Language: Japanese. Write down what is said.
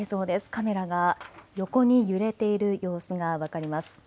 カメラが横に揺れている様子が分かります。